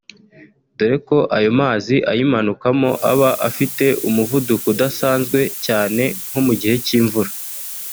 dore ko ayo mazi ayimanukamo aba afite umuvuduko udasanzwe cyane nko mu gihe cy’imvura